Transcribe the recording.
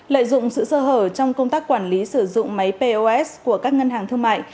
lợi dụng sự sơ hở trong công tác quản lý sử dụng máy pos của các ngân hàng thương mại